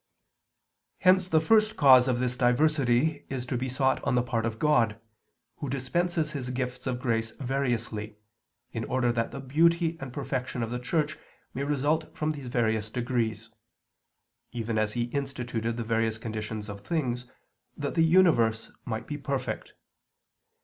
Hence the first cause of this diversity is to be sought on the part of God, Who dispenses His gifts of grace variously, in order that the beauty and perfection of the Church may result from these various degrees; even as He instituted the various conditions of things, that the universe might be perfect.